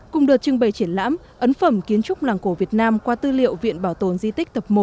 cùng đợt trưng bày triển lãm ấn phẩm kiến trúc làng cổ việt nam qua tư liệu viện bảo tồn di tích tập một